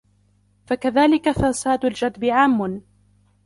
فَكَذَلِكَ فَسَادُ الْجَدْبِ عَامٌّ